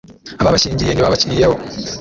ababashyingiye ntibakiriyeho